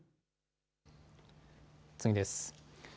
次です。